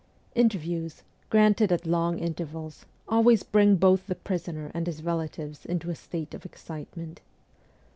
Inter views, granted at long intervals, always bring both the prisoner and his relatives into a state of excitement.